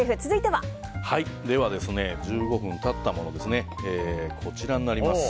１５分経ったものがこちらになります。